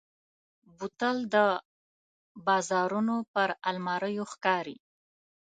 بوتل د بازارونو پر الماریو ښکاري.